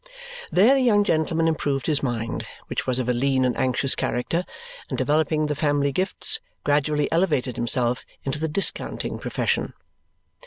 There the young gentleman improved his mind, which was of a lean and anxious character, and developing the family gifts, gradually elevated himself into the discounting profession.